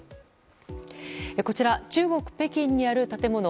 こちら、中国・北京にある建物。